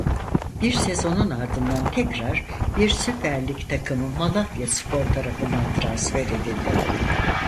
Bir sezonun ardından tekrar bir Süper Lig takımı Malatyaspor tarafından transfer edildi.